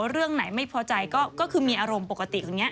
เรื่องไหนไม่พอใจก็คือมีอารมณ์ปกติอย่างนี้